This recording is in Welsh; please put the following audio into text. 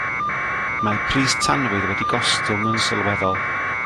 Mae pris tanwydd wedi gostwng yn sylweddol.